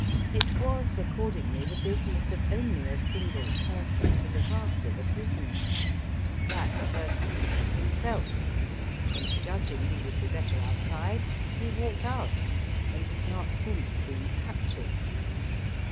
It was accordingly the business of only a single person to look after the prisoner. That person was himself, and judging he would be better outside, he walked out, and has not since been captured.